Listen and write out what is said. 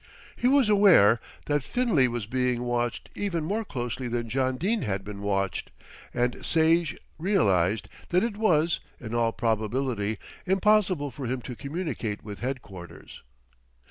He was aware that Finlay was being watched even more closely than John Dene had been watched, and Sage realised that it was, in all probability, impossible for him to communicate with headquarters.